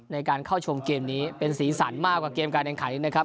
ในการเข้าชมเกมนี้เป็นสีสันมากกว่าเกมการแข่งขันนะครับ